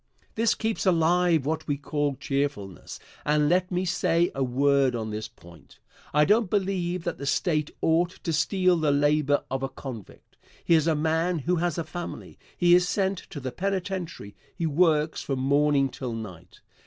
This keeps alive what we call cheerfulness. And let me say a word on this point. I don't believe that the State ought to steal the labor of a convict. Here is a man who has a family. He is sent to the penitentiary. He works from morning till night.